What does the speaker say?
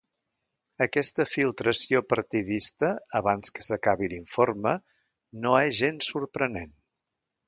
Aquesta filtració partidista, abans que s’acabi l’informe, no és gens sorprenent.